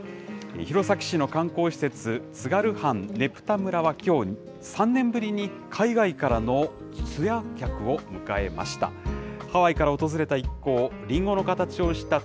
弘前市の観光施設、津軽藩ねぷた村はきょう、３年ぶりに海外からのツアー客を迎えました。